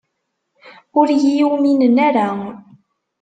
Ur iyi-uminen ara.